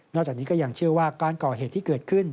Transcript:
จากนี้ก็ยังเชื่อว่าการก่อเหตุที่เกิดขึ้น